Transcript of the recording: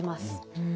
うん。